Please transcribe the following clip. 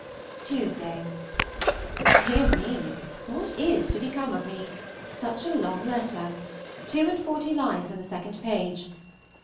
Tuesday. Dear me! what is to become of me? Such a long letter! Two and forty lines in the second page.